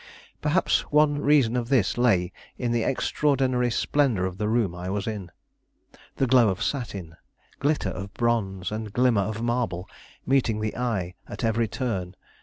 Perhaps one reason of this lay in the extraordinary splendor of the room I was in; the glow of satin, glitter of bronze, and glimmer of marble meeting the eye at every turn.